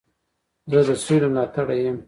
زه د سولي ملاتړی یم.